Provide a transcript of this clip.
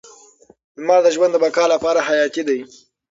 لمر د ژوند د بقا لپاره حیاتي دی.